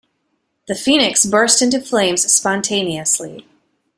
The phoenix burst into flames spontaneously.